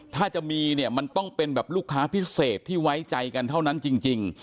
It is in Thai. ถ้าจะมีเนี่ยมันต้องเป็นแบบลูกค้าพิเศษที่ไว้ใจกันเท่านั้นจริง